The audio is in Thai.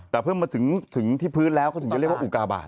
แต่เพิ่งมาถึงที่พื้นแล้วเขาถึงจะเรียกว่าอุกาบาท